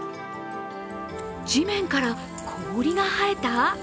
地面から氷が生えた？